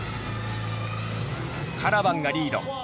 カラバンがリード。